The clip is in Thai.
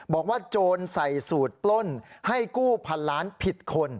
โจรใส่สูตรปล้นให้กู้พันล้านผิดคน